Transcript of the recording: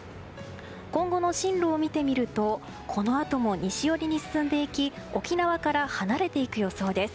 今後の進路を見てみるとこのあとも西寄りに進んでいき沖縄から離れていく予想です。